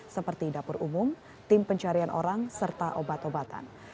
seperti dapur umum tim pencarian orang serta obat obatan